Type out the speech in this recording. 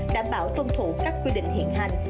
đảm bảo tuân thủ các quy định hiện hành